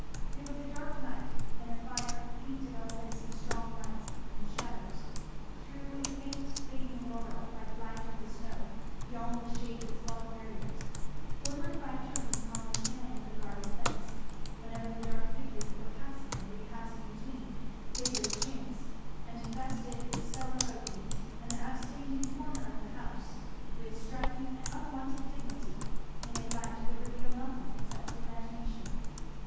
It was a dark night, and the fire painted all this in strong lights and shadows; threw a faint fading Aurora like light over the snow, beyond the shade of its log barriers; glimmered by turns upon the paling of the garden fence, whenever the dark figures that were passing and repassing between gave it a chance; and invested the cellar opening and the outstanding corner of the house with striking and unwonted dignity, in a light that revealed nothing except to the imagination.